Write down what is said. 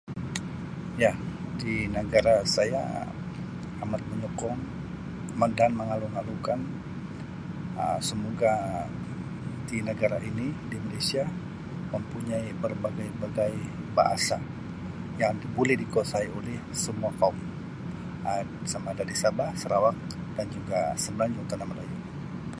Ya, di negara saya amat menyokong dan mengalu-alukan Um semoga di negara ini, di Malaysia mempunyai berbagai-bagai bahasa yang boleh dikuasai oleh semua kaum. Um Sama ada di Sabah Sarawak dan juga semenanjung tanah melayu.